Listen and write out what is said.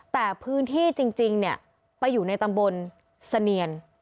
แต่พื้นที่จริงเนี่ยไปอยู่ในตำบลเสนียน